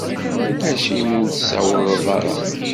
Acimi ur d-tsawaleḍ ara?